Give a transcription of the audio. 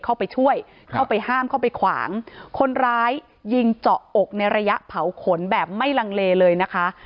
เข้าไปช่วยเข้าไปห้ามเข้าไปขวางคนร้ายยิงเจาะอกในระยะเผาขนแบบไม่ลังเลเลยนะคะ